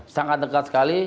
sangat dekat sekali